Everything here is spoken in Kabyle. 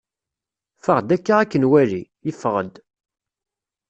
ffeɣ-d akka ad k-nwali! Yeffeɣ-d.